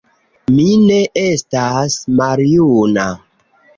Mi ne estas maljuna